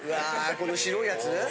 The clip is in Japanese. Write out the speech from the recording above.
この白いやつ？